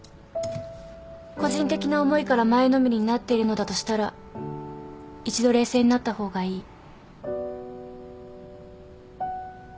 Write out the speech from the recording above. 個人的な思いから前のめりになっているのだとしたら一度冷静になった方がいい。